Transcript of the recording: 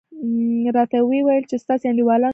راته ویې ویل چې ستاسې انډیوالانو وګټله.